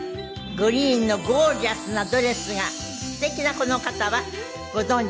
グリーンのゴージャスなドレスが素敵なこの方はご存じ